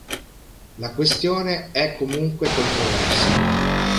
La questione è comunque controversa.